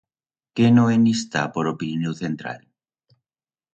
Qué no en i'stá por o Pirineu central?